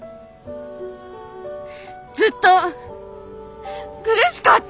ずっと苦しかった！